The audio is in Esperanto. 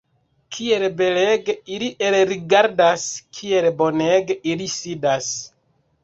Kiel belege ili elrigardas, kiel bonege ili sidas!